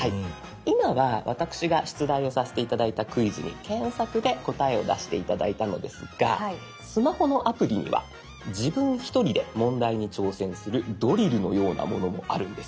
今は私が出題をさせて頂いたクイズに検索で答えを出して頂いたのですがスマホのアプリには自分一人で問題に挑戦するドリルのようなものもあるんです。